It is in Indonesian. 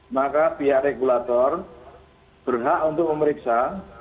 maka pihak regulator berhak untuk memeriksa